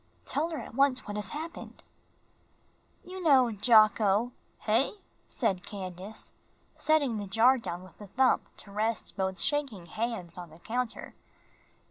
"Tell her at once what has happened." "You know Jocko " "Hey?" said Candace, setting the jar down with a thump to rest both shaking hands on the counter.